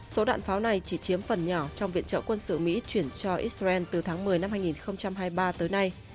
số đạn pháo này chỉ chiếm phần nhỏ trong viện trợ quân sự mỹ chuyển cho israel từ tháng một mươi năm hai nghìn hai mươi ba tới nay